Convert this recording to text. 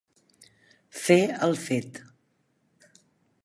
Fer el fet.